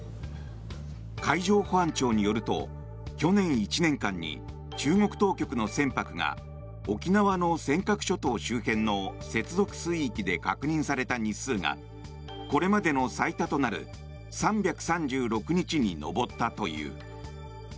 海上保安庁によると去年１年間に中国当局の船舶が沖縄の尖閣諸島周辺の接続水域で確認された日数がこれまでの最多となる３３６日に上ったという。